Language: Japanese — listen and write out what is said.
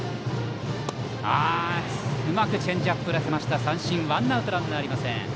うまくチェンジアップを振らせて三振ワンアウト、ランナーありません。